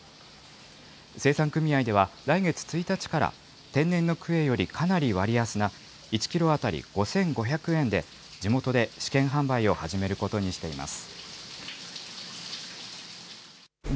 生産組合では、来月１日から、天然のクエよりかなり割安な、１キロ当たり５５００円で、地元で試験販売を始めることにしています。